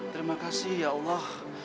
terima kasih ya allah